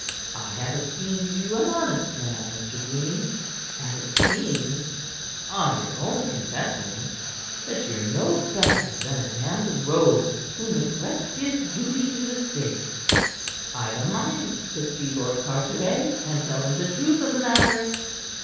I have esteemed you an honest man, Mr. Green, and it seems on your own confessing that ye're no better than a damned rogue who neglects his duty to the state. I've a mind to see Lord Carteret, and tell him the truth of the matter."